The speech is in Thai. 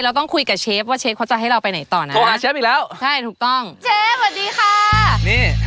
เราต้องคุยกับเชฟว่าเชฟเขาจะให้เราไปไหนต่อนะโทรหาเชฟอีกแล้วใช่ถูกต้องเชฟสวัสดีค่ะนี่